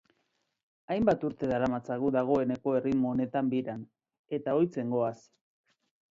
Hainbat urte daramatzagu dagoeneko erritmo honetan biran, eta ohitzen goaz.